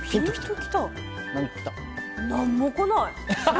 何も来ない。